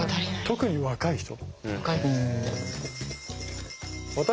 特に若い人。